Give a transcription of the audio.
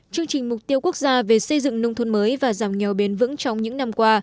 chương trình mục tiêu quốc gia về xây dựng nông thôn mới và giảm nghèo bền vững trong những năm qua